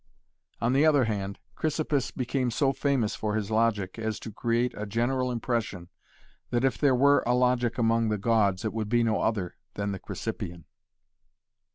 On the other hand Chrysippus became so famous for his logic as to create a general impression that if there were a logic among the gods it would be no other than the Chrysippean.